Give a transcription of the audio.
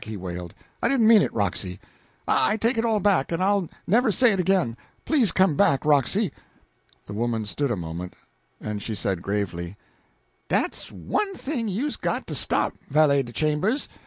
he wailed. "I didn't mean it, Roxy; I take it all back, and I'll never say it again! Please come back, Roxy!" The woman stood a moment, then she said gravely: "Dat's one thing you's got to stop, Valet de Chambers.